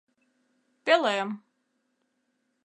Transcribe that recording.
Пӧлем.